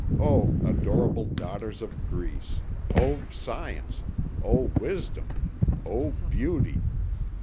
O adorable daughters of Greece! O Science! O Wisdom! O Beauty!